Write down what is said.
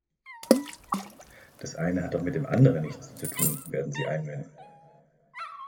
Das eine hat doch mit dem anderen nichts zu tun, werden Sie einwenden.